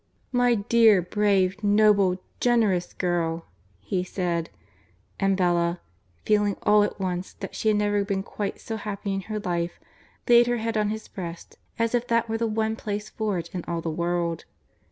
"My dear, brave, noble, generous girl!" he said, and Bella, feeling all at once that she had never been quite so happy in her life, laid her head on his breast, as if that were the one place for it in all the world.